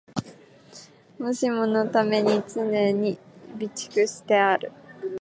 もしものために常に備蓄してある